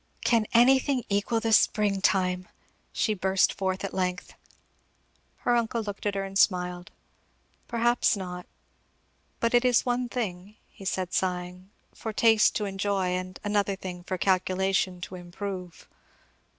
"Can anything equal the spring time!" she burst forth at length. Her uncle looked at her and smiled. "Perhaps not; but it is one thing," said he sighing, "for taste to enjoy and another thing for calculation to improve."